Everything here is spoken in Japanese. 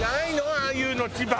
ああいうの千葉。